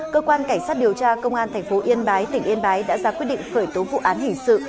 cơ quan cảnh sát điều tra công an tp yên bái tỉnh yên bái đã ra quyết định khởi tố vụ án hình sự